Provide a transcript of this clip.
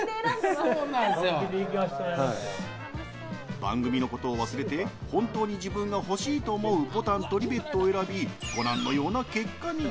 番組のことを忘れて本当に自分が欲しいと思うボタンとリベットを選びご覧のような結果に。